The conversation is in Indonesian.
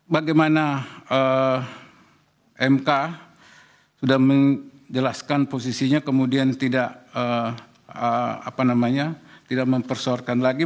bagaimana mk sudah menjelaskan posisinya kemudian tidak mempersoalkan lagi